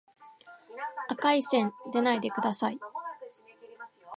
赤い線でないでください